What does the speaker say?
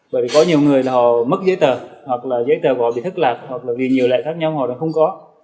bởi vì có nhiều người là họ mất giấy tờ hoặc là giấy tờ của họ bị thất lạc hoặc là vì nhiều loại khác nhau họ đã không có